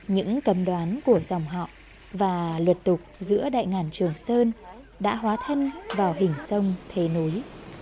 những cấm đoán của dòng họ và luật tục giữa đại ngàn trường sơn đã hóa thân vào hình sông thế nối